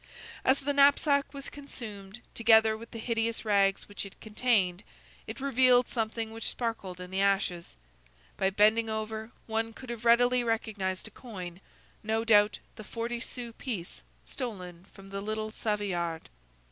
As the knapsack was consumed, together with the hideous rags which it contained, it revealed something which sparkled in the ashes. By bending over, one could have readily recognized a coin,—no doubt the forty sou piece stolen from the little Savoyard.